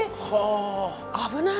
え危ない。